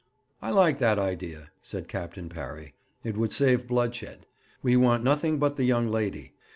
'I like that idea,' said Captain Parry; 'it would save bloodshed. We want nothing but the young lady.